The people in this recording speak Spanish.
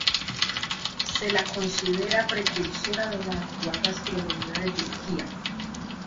Se la considera precursora de la actual gastronomía de Turquía.